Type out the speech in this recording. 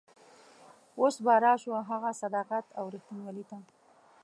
اوس به راشو هغه صداقت او رښتینولي ته.